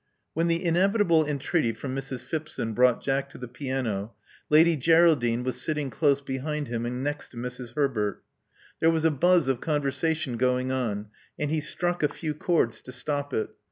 When the inevitable entreaty from Mrs. Phipson brought Jack to the piano, Lady Geraldine was sitting close behind him and next to Mrs. Herbert. There was a buzz of conversation going on ; and he struck a few chords to stop it.